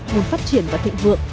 muốn phát triển và thịnh vượng